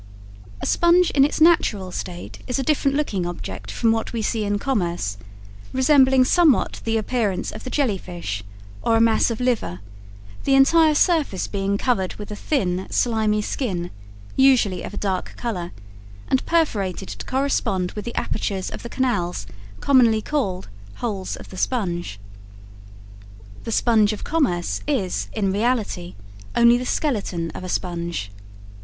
A sponge in its natural state is a different looking object from what we see in commerce, resembling somewhat the appearance of the jelly fish, or a mass of liver, the entire surface being covered with a thin, slimy skin, usually of a dark color, and perforated to correspond with the apertures of the canals commonly called "holes of the sponge." The sponge of commerce is, in reality, only the skeleton of a sponge.